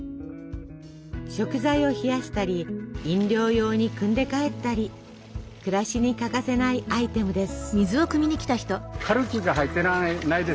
食材を冷やしたり飲料用にくんで帰ったり暮らしに欠かせないアイテムです。